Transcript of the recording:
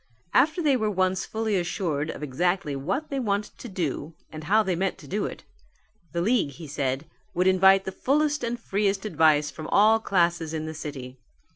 After they were once fully assured of exactly what they wanted to do and how they meant to do it, the league he said, would invite the fullest and freest advice from all classes in the city.